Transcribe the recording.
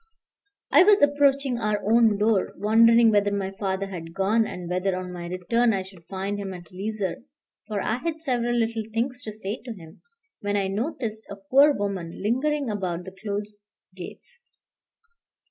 I was approaching our own door, wondering whether my father had gone, and whether, on my return, I should find him at leisure, for I had several little things to say to him, when I noticed a poor woman lingering about the closed gates.